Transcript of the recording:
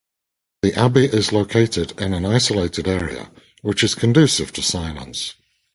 The abbey is located in an isolated area which is conducive to silence.